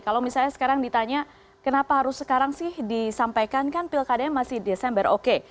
kalau misalnya sekarang ditanya kenapa harus sekarang sih disampaikan kan pilkadanya masih desember oke